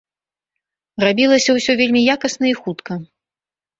Рабілася ўсё вельмі якасна і хутка.